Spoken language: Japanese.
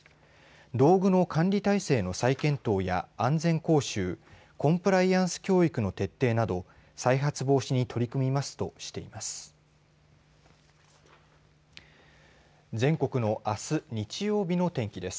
道具の管理体制の再検討や安全講習コンプライアンス教育の徹底など再発防止に取り組みますとしています。